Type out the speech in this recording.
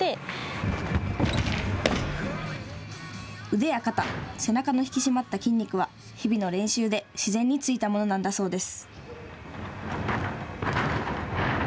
腕や肩、背中の引き締まった筋肉は日々の練習で自然についたものなんだそうです。